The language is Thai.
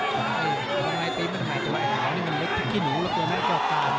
ใช่มันไหล่ตีมมันไหล่ตัวไอ้ขาวนี้มันเล็กที่หนูแล้วตัวนี้ก็กล่าวกลาง